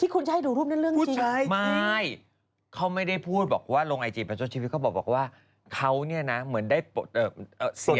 แล้วเขาฟันธงว่าภายใน๖เดือนนี้คุณจะประกาศตัวว่าคุณเป็นเกย์